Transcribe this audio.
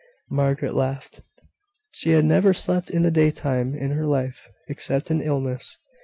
Margaret laughed. She had never slept in the daytime in her life, except in illness.